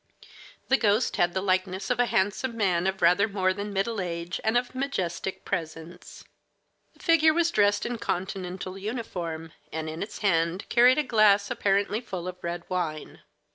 The ghost had the likeness of a handsome man of rather more than middle age and of majestic presence. The figure was dressed in Continental uniform, and in its hand carried a glass apparently full of red wine.